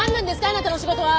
あなたの仕事は！